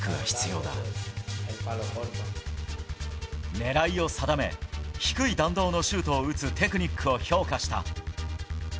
狙いを定め低い弾道のシュートを打つテクニックを評価した。